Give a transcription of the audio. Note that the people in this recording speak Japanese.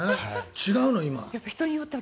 違うの、今は。